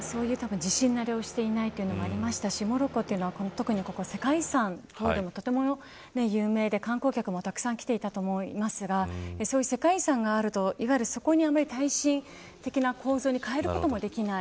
地震慣れをしていないというのもありましたしモロッコは特に世界遺産の建物が有名で観光客もたくさん来ていたと思いますが世界遺産があるとそこをあんまり、耐震的な構造に変えることもできない。